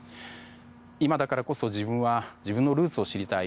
今だからこそ自分は自分のルーツを知りたい。